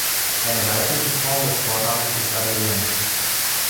Eine weibliche Form des Vornamens ist Adrienne.